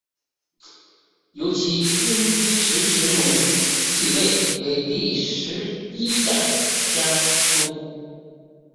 由其孙菊池时隆继位为第十一代家督。